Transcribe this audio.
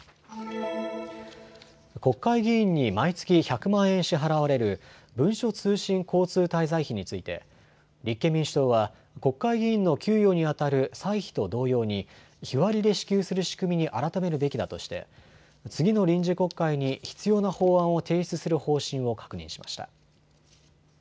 国会議員に毎月１００万円支払われる文書通信交通滞在費について立憲民主党は国会議員の給与にあたる歳費と同様に日割りで支給する仕組みに改めるべきだとして次の臨時国会に必要な法案を提出する方針を確認しました。